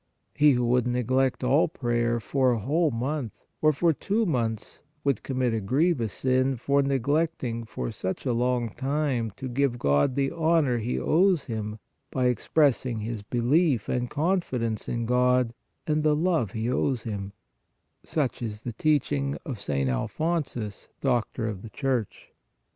He who would neglect all prayer for a whole month, or for two months, would commit a grievous sin for neglecting for such a long time to give to God the honor he owes Him by expressing his belief and confidence in God and the love he owes Him ; such is the teach ing of St. Alphonsus, Doctor of the Church.